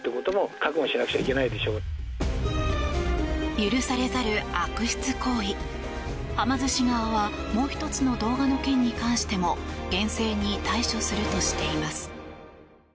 許されざる悪質行為。はま寿司側はもう１つの動画の件に関しても厳正に対処するとしています。